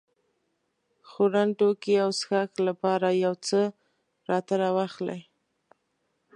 خوړن توکي او څښاک لپاره يو څه راته راواخلې.